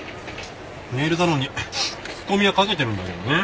ネイルサロンに聞き込みはかけてるんだけどね。